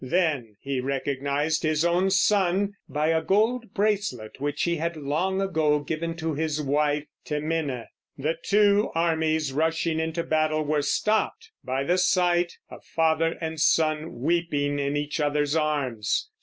Then he recognized his own son by a gold bracelet which he had long ago given to his wife Temineh. The two armies, rushing into battle, were stopped by the sight of father and son weeping in each other's arms.